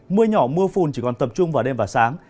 mưa nhỏ mưa phùn chỉ còn tập trung vào đêm và sáng